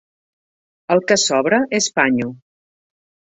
El que sobra és panyo.